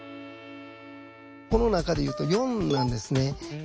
この中で言うと４なんですね。